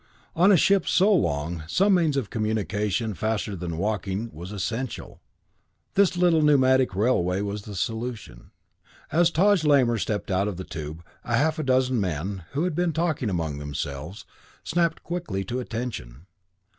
On a ship so long, some means of communication faster than walking was essential. This little pneumatic railway was the solution. As Taj Lamor stepped out of the tube, a half dozen men, who had been talking among themselves, snapped quickly to attention.